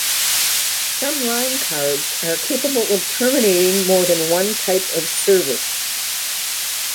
Some line cards are capable of terminating more than one type of service.